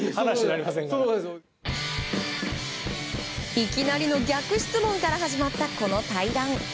いきなりの逆質問から始まった、この対談。